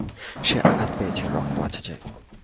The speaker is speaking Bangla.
সে আঘাত পেয়েছে, রক্ত আছে যে।